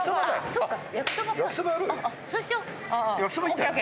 そうしよう。